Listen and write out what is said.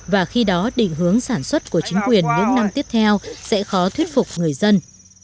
và khi đó định hướng sản xuất của chính quyền những năm tiếp theo sẽ khó thuyết phục người dân